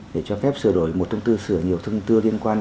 để cho phép sửa đổi một thông tư sửa nhiều thông tư liên quan